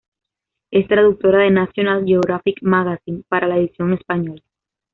Es traductora de National Geographic Magazine para la edición español.